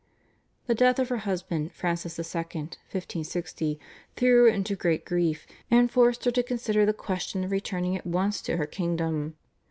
The death of her husband Francis II. (1560) threw her into great grief and forced her to consider the question of returning at once to her kingdom.